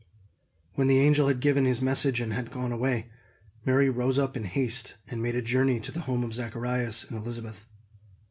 When the angel had given his message and had gone away, Mary rose up in haste and made a journey to the home of Zacharias and Elizabeth.